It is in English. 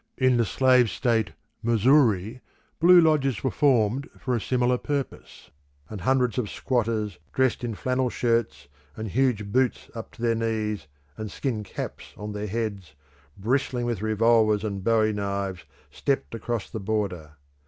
In the slave state. Missouri, blue lodges were formed for a similar purpose, and hundreds of squatters, dressed in flannel shirts, and huge boots up to their knees, and skin caps on their heads, bristling with revolvers and bowie knives, stepped across the Border.